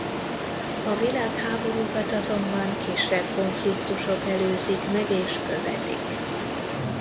A világháborúkat azonban kisebb konfliktusok előzik meg és követik.